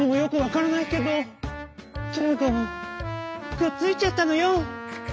「くっついちゃったのよ！」。